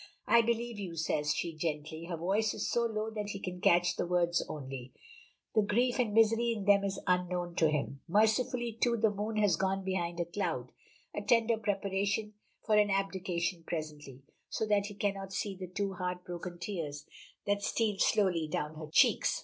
"I believe you," says she, gently. Her voice is so low that he can catch the words only; the grief and misery in them is unknown to him. Mercifully, too, the moon has gone behind a cloud, a tender preparation for an abdication presently, so that he cannot see the two heartbroken tears that steal slowly down her cheeks.